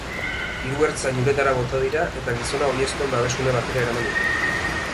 Hiru ertzain uretara bota dira eta gizona oinezkoen babesgune batera eraman dute.